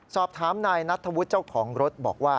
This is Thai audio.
สอบถามนายนัทธวุฒิเจ้าของรถบอกว่า